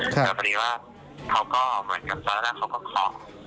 เค้าบอกเหมือนกับเจ้าเขาก็คอก